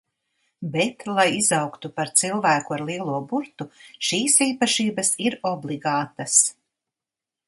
Bet, lai izaugtu par cilvēku ar lielo burtu, šīs īpašības ir obligātas.